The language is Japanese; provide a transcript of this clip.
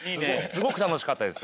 すごくたのしかったです。